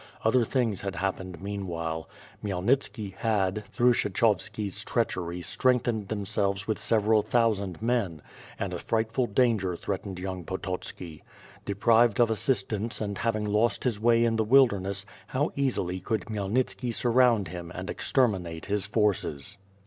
Other things had happened meanwhile. Khmyelnitski had, through Kshechovski's treachery strengthened themselves with several thousand men, and a frightful danger threatened young Po totski. Deprived of assistance and having lost his way in the wilderness how easily could Khmyelnitski surround him and exterminate his forces.